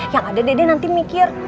yang ada dede nanti mikir